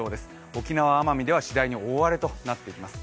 沖縄・奄美ではしだいに大荒れとなっていきます。